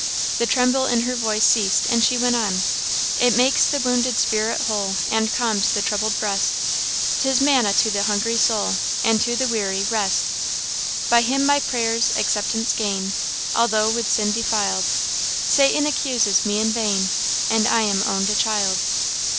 The tremble in her voice ceased, and she went on "It makes the wounded spirit whole, And calms the troubled beast; 'T is manna to the hungry soul, And to the weary, rest. "By Him my prayers acceptance gain, Although with sin defiled; Satan accuses me in vain, And I am own'd a child.